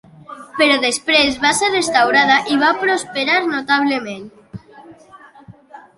Però després va ser restaurada i va prosperar notablement.